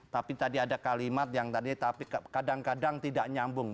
tapi tadi ada kalimat yang kadang kadang tidak nyambung